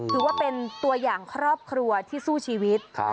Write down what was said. ถือว่าเป็นตัวอย่างครอบครัวที่สู้ชีวิต